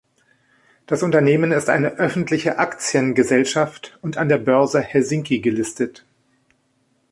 Das Unternehmen ist eine öffentliche Aktiengesellschaft und an der Börse Helsinki gelistet.